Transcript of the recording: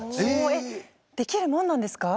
えっできるもんなんですか？